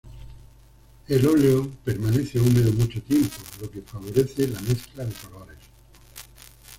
El óleo permanece húmedo mucho tiempo, lo que favorece la mezcla de colores.